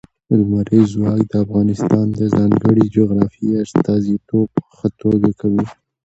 لمریز ځواک د افغانستان د ځانګړي جغرافیې استازیتوب په ښه توګه کوي.